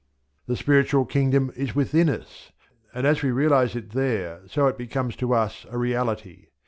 The spiritual kingdom is within us, and as we realize it there so it becomes to us a reality.